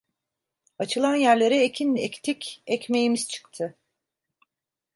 Açılan yerlere ekin ektik, ekmeğimiz çıktı.